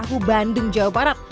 di tahu bandung jawa barat